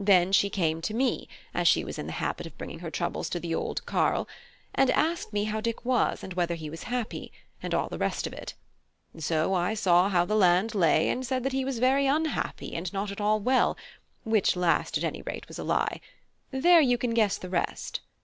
Then she came to me, as she was in the habit of bringing her troubles to the old carle, and asked me how Dick was, and whether he was happy, and all the rest of it. So I saw how the land lay, and said that he was very unhappy, and not at all well; which last at any rate was a lie. There, you can guess the rest.